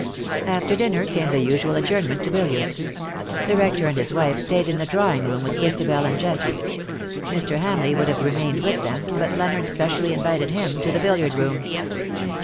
After dinner came the usual adjournment to billiards. The Rector and his wife stayed in the drawing room with Christabel and Jessie. Mr. Ham leigh would have remained with them, but Leonard specially invited him to the billiard room.